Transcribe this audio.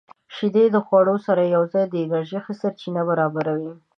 • شیدې د خوړو سره یوځای د انرژۍ ښه سرچینه برابروي.